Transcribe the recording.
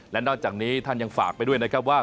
และนอกจากนี้ท่านยังฝากไปด้วยนะครับว่า